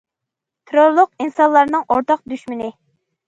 تېررورلۇق ئىنسانلارنىڭ ئورتاق دۈشمىنى.